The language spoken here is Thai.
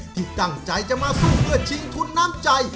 ที่ตั้งใจจะมาสู้เพื่อชิงทุนน้ำใจ